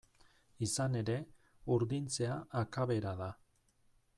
Izan ere, urdintzea akabera da.